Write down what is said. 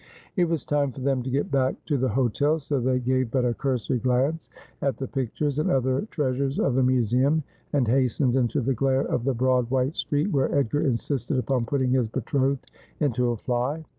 It was time for them to get back to the hotel, so they gave but a cursory glance at the pictures and other trea sures of the museum, and hastened into the glare of the broad white street, where Edgar insisted upon putting his betrothed into a fly.